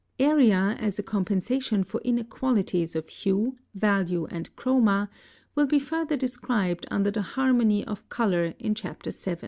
Area as a compensation for inequalities of hue, value, and chroma will be further described under the harmony of color in Chapter VII.